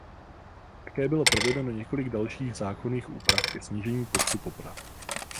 Také bylo provedeno několik dalších zákonných úprav ke snížení počtu poprav.